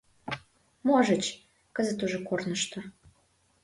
Можыч, кызыт уже корнышто...